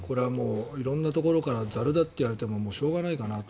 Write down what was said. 色んなところからザルだと言われてもしょうがないかなと。